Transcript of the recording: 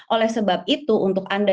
oleh sebab itu untuk anda